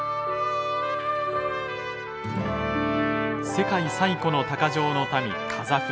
世界最古の鷹匠の民カザフ族。